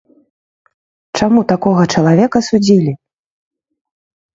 Чаму такога чалавека судзілі?